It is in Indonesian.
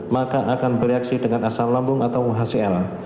maka akan bereaksi dengan asal lambung atau hcl